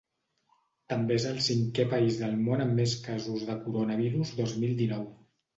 També és el cinquè país del món amb més casos de coronavirus dos mil dinou.